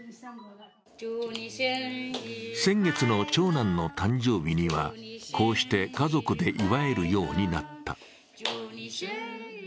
先月の長男の誕生日には、こうして家族で祝えるようになった。